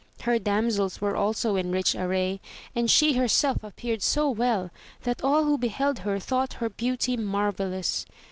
Her damsels also were in rich array, and she herself appeared so well, that all who beheld her thought her beauty marvellous.